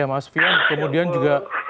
ya mas fian kemudian juga